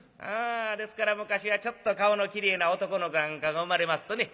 ですから昔はちょっと顔のきれいな男の子なんかが生まれますとね